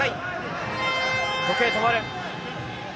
時計が止まる。